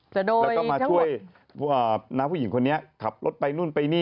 แล้วก็มาช่วยน้าผู้หญิงคนนี้ขับรถไปนู่นไปนี่